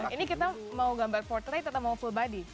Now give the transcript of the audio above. ini kita mau gambar portrait atau mau full body